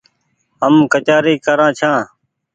هم ڪچآري ڪرآن ڇآن ۔